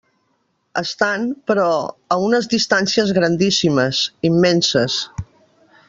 Estan, però, a unes distàncies grandíssimes, immenses.